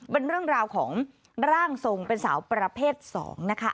เป็นเรื่องราวของร่างทรงเป็นสาวประเภท๒นะคะ